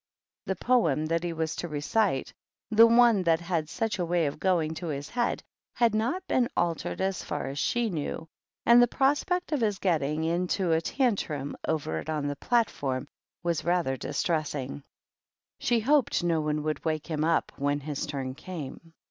The poem that he wa to recite — the one that had such a way of goin to his head — had not been altered as far as sh knew, and the prospect of his getting into a tar trum over it on the platform was rather distresi ing. She hoped no one would wake him up whe his turn came.